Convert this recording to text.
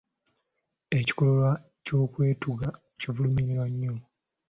Ekikolwa ky’okwetuga tukivumirira nnyo.